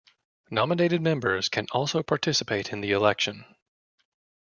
Nominated members can also participate in the election.